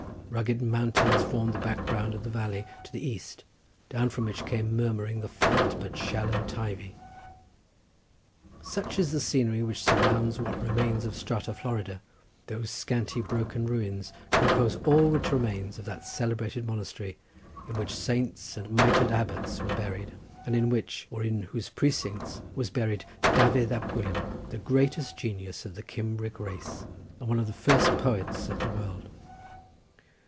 Rugged mountains formed the background of the valley to the east, down from which came murmuring the fleet but shallow Teivi. Such is the scenery which surrounds what remains of Strata Florida: those scanty broken ruins compose all which remains of that celebrated monastery, in which kings, saints and mitred abbots were buried, and in which, or in whose precincts, was buried Dafydd Ab Gwilym, the greatest genius of the Cimbric race and one of the first poets of the world.